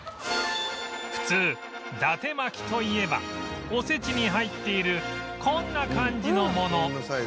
普通伊達巻といえばおせちに入っているこんな感じのもの